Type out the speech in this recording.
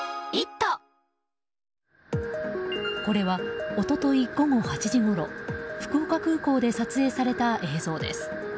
これは一昨日午後８時ごろ福岡空港で撮影された映像です。